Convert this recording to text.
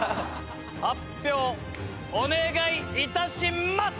発表お願い致します！